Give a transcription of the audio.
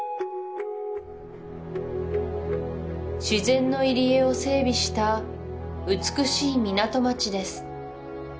自然の入り江を整備した美しい港町です